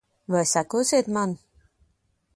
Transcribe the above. Vai sekosiet man?